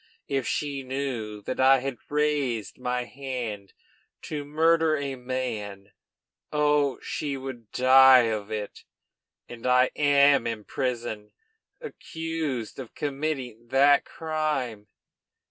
If she knew that I had raised my hand to murder a man oh! she would die of it! And I am in prison, accused of committing that crime!